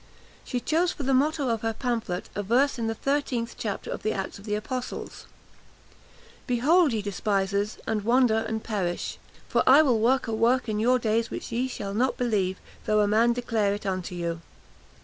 She chose for the motto of her pamphlet a verse in the thirteenth chapter of the Acts of the Apostles: "Behold, ye despisers, and wonder and perish! for I will work a work in your days which ye shall not believe, though a man declare it unto you."